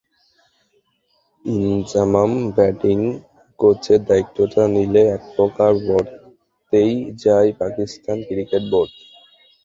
Inzamam batting কোচের দায়িত্বটা নিলে একপ্রকার বর্তেই যায় পাকিস্তান ক্রিকেট বোর্ড।